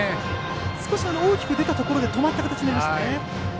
少し大きく出たところで止まった形になりました。